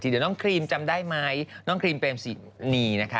เดี๋ยวน้องครีมจำได้ไหมน้องครีมเปรมสินีนะคะ